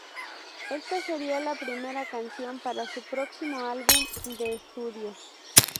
Esta sería la primera canción para su próximo álbum de estudio.